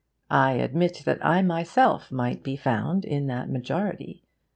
I admit that I myself might be found in that majority.